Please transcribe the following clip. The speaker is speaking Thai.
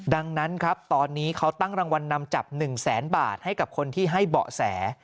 ดังนั้นครับตอนนี้เขาตั้งรางวัลนำจับ๑แสนบาทให้กับคนที่ให้เบาะแส